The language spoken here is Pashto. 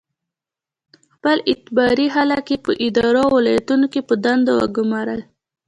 خپل اعتباري خلک یې په ادارو او ولایتونو کې په دندو وګومارل.